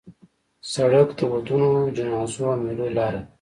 سړک د ودونو، جنازو او میلو لاره ده.